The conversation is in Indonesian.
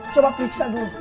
coba periksa dulu